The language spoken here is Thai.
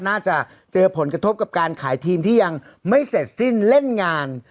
น่าจะเจอผลกระทบกับการขายทีมที่ยังไม่เสร็จสิ้นเล่นงาน